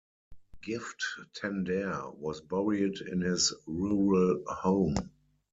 Gift Tandare was buried in his rural home.